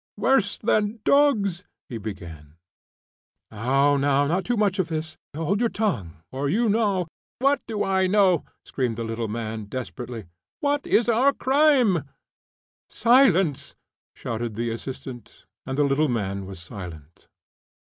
"Worse than dogs," he began. "Now, now; not too much of this. Hold your tongue, or you know " "What do I know?" screamed the little man, desperately. "What is our crime?" "Silence!" shouted the assistant, and the little man was silent.